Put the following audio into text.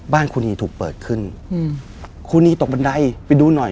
บ้านคุณีถูกเปิดขึ้นคุณีตกบันไดไปดูหน่อย